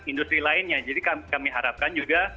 industri lainnya jadi kami harapkan juga